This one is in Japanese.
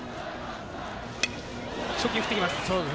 初球振ってきました。